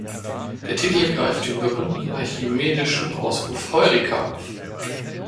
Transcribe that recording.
Der Titel greift den berühmten archimedischen Ausruf „Heureka“ auf.